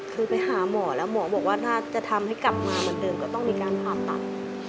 คือไปหาหมอแล้วหมอบอกว่าถ้าจะทำให้กลับมาเหมือนเดิมก็ต้องมีการผ่าตัด